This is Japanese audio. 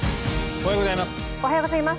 おはようございます。